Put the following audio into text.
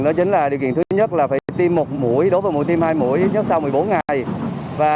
đó chính là điều kiện thứ nhất là phải tiêm một mũi đối với mũi tim hai mũi nhất sau một mươi bốn ngày và